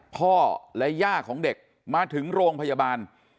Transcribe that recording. พ่อและย่าของเด็กมาถึงโรงพยาบาล